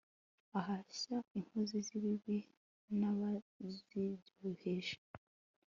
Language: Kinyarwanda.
ahashya inkozi z'ibibi n'abazibyoheje